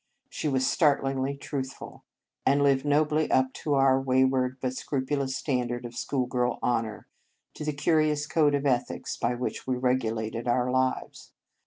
She was startlingly truthful, and lived no bly up to our wayward but scrupulous standard of schoolgirl honour, to the curious code of ethics by which we regulated our lives.